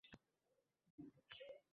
Ular hammasi joyida ekanligini bildirishdi